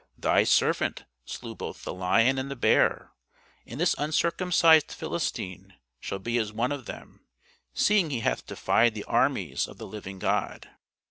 Thy servant slew both the lion and the bear: and this uncircumcised Philistine shall be as one of them, seeing he hath defied the armies of the living God.